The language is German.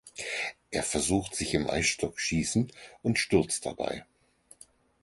Er versucht sich im Eisstockschießen und stürzt dabei.